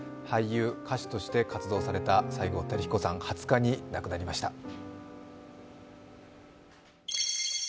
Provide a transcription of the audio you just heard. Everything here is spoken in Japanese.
俳優、歌手として活動された西郷輝彦さん、２０日に亡くなりました。